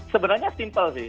sebenarnya simpel sih